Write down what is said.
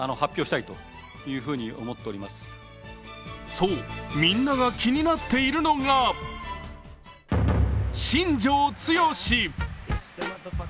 そう、みんなが気になっているのが新庄剛志。